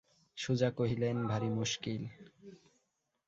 সুজা কহিলেন, ভারী মুশকিল!